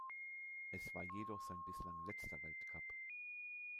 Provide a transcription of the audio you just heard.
Es war jedoch sein bislang letzter Weltcup.